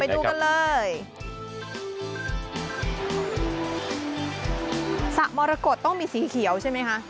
สะมรกฏต้องมีสีเขียวใช่ไหมคะ